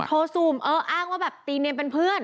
ซูมเอออ้างว่าแบบตีเนียนเป็นเพื่อน